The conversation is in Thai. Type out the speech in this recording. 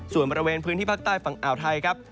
ส่วนบริเวณพื้นที่ภาคใต้ฝั่งอ่าวไทยครับ